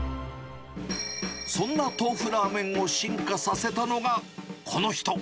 そんなトーフラーメンを進化させたのが、この人。